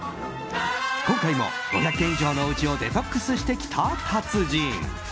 今回も５００軒以上のおうちをデトックスしてきた達人。